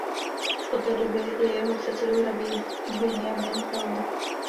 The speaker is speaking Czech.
Od té doby je jeho předsedou rabín Binjamin Elon.